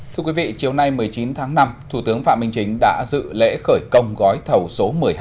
thưa quý vị chiều nay một mươi chín tháng năm thủ tướng phạm minh chính đã dự lễ khởi công gói thầu số một mươi hai